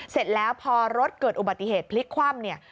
เสร็จแล้วพอรถเกิดอุบัติเหตุพลิกคว่ำเนี่ย